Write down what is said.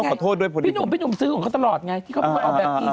ก็พอโทษด้วยพี่หนุ่มเพศอบซื้อของเขาตลอดไง